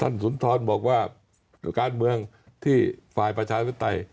ท่านสุนทรบอกว่าว่าการเมืองที่ฝ่ายติดต่อ